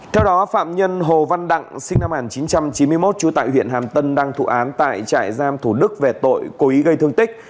theo đó phạm nhân hồ văn đặng sinh năm một nghìn chín trăm chín mươi một trú tại huyện hàm tân đang thụ án tại trại giam thủ đức về tội cố ý gây thương tích